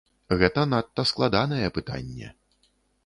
Гэта надта складанае пытанне.